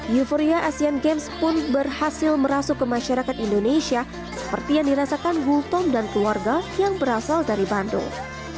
euforia asian games pun berhasil merasuk ke masyarakat indonesia seperti yang dirasakan gultom dan keluarga yang berasal dari bandung